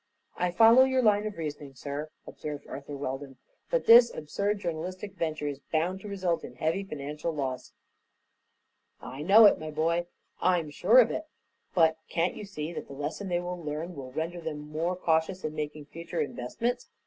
"I follow your line of reasoning, sir," observed Arthur Weldon; "but this absurd journalistic venture is bound to result in heavy financial loss." "I know it, my boy. I'm sure of it. But can't you see that the lesson they will learn will render them more cautious in making future investments?